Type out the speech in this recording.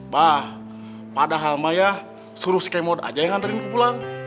bah padahal maya suruh si kemod aja yang nantain gue pulang